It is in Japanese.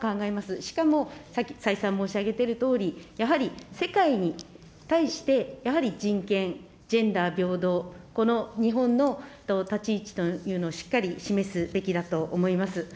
しかも再三申し上げているとおり、やはり世界に対して、やはり人権、ジェンダー平等、この日本の立ち位置というのをしっかり示すべきだと思います。